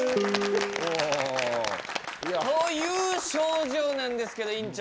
という症状なんですけど院長。